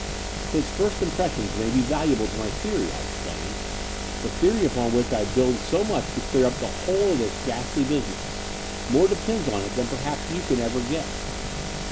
*'His first impressions may be vs^uable to my theory," I explained — "the theory upon which I build so much to clear up the whole of this ghastly business. More depends upon it than perhaps you can ever guess."